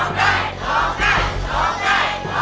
โทษใจ